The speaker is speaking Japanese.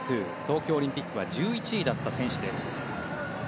東京オリンピックは１１位だった選手です。